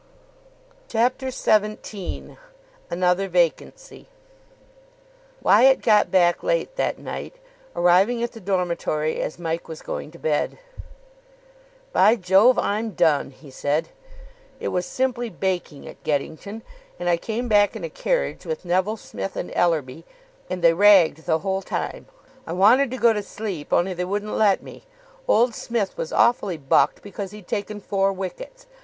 CHAPTER XVII ANOTHER VACANCY Wyatt got back late that night, arriving at the dormitory as Mike was going to bed. "By Jove, I'm done," he said. "It was simply baking at Geddington. And I came back in a carriage with Neville Smith and Ellerby, and they ragged the whole time. I wanted to go to sleep, only they wouldn't let me. Old Smith was awfully bucked because he'd taken four wickets.